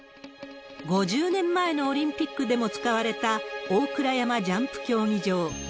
５０年前のオリンピックでも使われた、大倉山ジャンプ競技場。